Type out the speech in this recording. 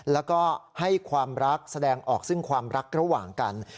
แล้วก็ให้ความรักแสดงออกซึ่งความรักระหว่างกัน